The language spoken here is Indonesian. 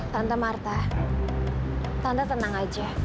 tante marta tante tenang aja